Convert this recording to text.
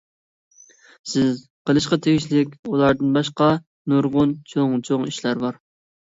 سىز قىلىشقا تېگىشلىك ئۇلاردىن باشقا نۇرغۇن چوڭ-چوڭ ئىشلار بار.